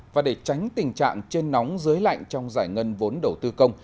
và để tránh tình trạng trên nóng dưới lạnh trong giải ngân vốn đầu tư công